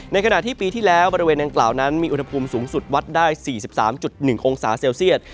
ขณะที่ปีที่แล้วบริเวณดังกล่าวนั้นมีอุณหภูมิสูงสุดวัดได้๔๓๑องศาเซลเซียต